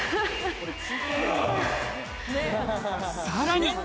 さらに。